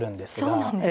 そうなんですか。